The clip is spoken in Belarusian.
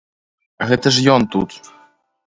Гэта ж ён тут!